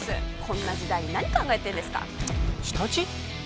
こんな時代に何考えてんですか舌打ち！？